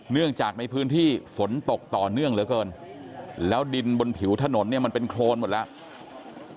เนื่องจากในพื้นที่ฝนตกต่อเนื่องเหลือเกินแล้วดินบนผิวถนนเนี่ยมันเป็นโครนหมดแล้ว